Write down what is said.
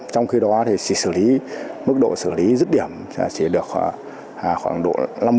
trong khi đó thì chỉ xử lý mức độ xử lý rứt điểm chỉ được khoảng độ năm mươi